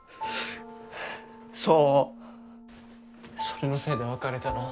それのせいで別れたの？